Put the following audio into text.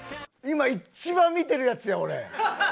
今一番見てるやつや俺。